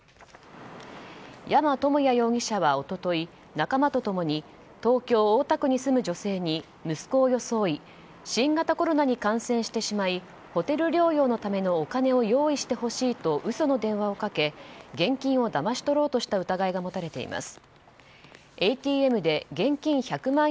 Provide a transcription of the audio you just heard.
山智也容疑者は一昨日仲間とともに東京・大田区に住む女性に息子を装い新型コロナに感染してしまいホテル療養のためのお金を用意してほしいと嘘の電話をかけ現金をだまし取ろうとした疑いが持たれています。